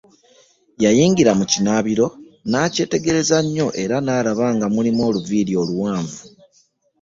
Yayingira mu kinaabiro n'akyetegereza nnyo era n'alaba nga mulimu oluviiri oluwanvu.